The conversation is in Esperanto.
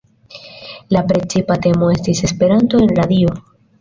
La precipa temo estis "Esperanto en radio".